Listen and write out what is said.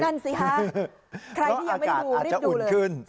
นั่นสิค่ะใครที่ยังไม่ได้ดูเริ่มดูเลย